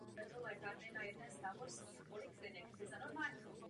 Záliv je využíván k rybolovu i rekreaci.